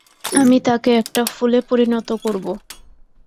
আমি তাকে একটা ফুলে পরিণত করবো।